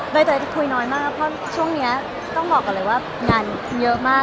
โดยจะได้คุยน้อยมากเพราะช่วงนี้ต้องบอกก่อนเลยว่างานเยอะมาก